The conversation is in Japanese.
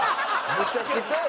めちゃくちゃや。